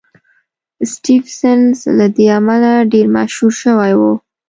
سټېفنس له دې امله ډېر مشهور شوی و